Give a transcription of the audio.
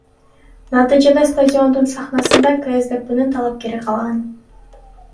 Натыйжада стадиондун сахнасында КСДПнын талапкери калган.